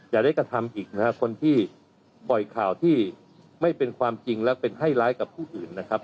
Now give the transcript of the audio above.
อย่าได้กระทำอีกนะครับคนที่ปล่อยข่าวที่ไม่เป็นความจริงและเป็นให้ร้ายกับผู้อื่นนะครับ